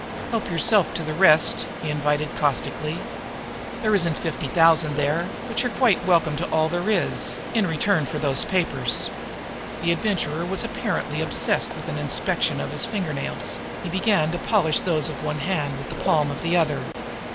"Help yourself to the rest!" he invited caustically. "There isn't fifty thousand there, but you are quite welcome to all there is in return for those papers." The Adventurer was apparently obsessed with an inspection of his finger nails; he began to polish those of one hand with the palm of the other.